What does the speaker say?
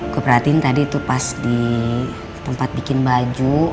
gue perhatiin tadi tuh pas di tempat bikin baju